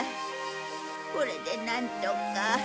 これでなんとか。